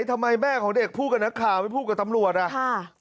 ทำไมแม่ของเด็กพูดกับนักข่าวไม่พูดกับตำรวจอ่ะค่ะ